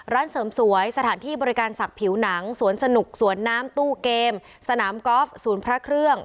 ร้านเสริมสวยสถานที่บริการศักดิ์ผิวหนังสวนสนุกสวนน้ำตู้เกมสนามกอล์ฟศูนย์พระเครื่อง